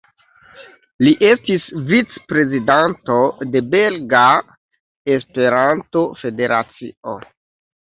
Li estis vic-prezidanto de Belga Esperanto-Federacio.